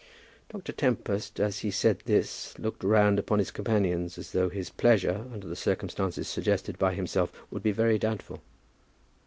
Dr. Tempest, as he said this, looked round upon his companions, as though his pleasure, under the circumstances suggested by himself, would be very doubtful.